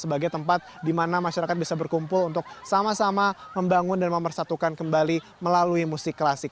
sebagai tempat di mana masyarakat bisa berkumpul untuk sama sama membangun dan memersatukan kembali melalui musik klasik